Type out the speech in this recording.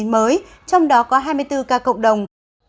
trong đó có hai mươi bốn ca cộng đồng